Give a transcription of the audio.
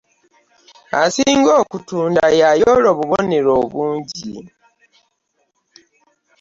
Asinga okutunda y'ayoola obubonero obungi.